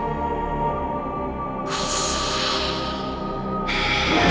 karena kita harus kembali ke tempat yang sama